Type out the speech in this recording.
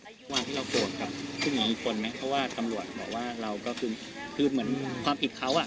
ระหว่างที่เราโกรธกับผู้หญิงอีกคนไหมเพราะว่าตำรวจบอกว่าเราก็คือคือเหมือนความผิดเขาอ่ะ